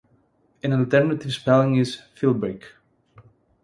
An alternative spelling is Philbrick.